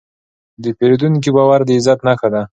د پیرودونکي باور د عزت نښه ده.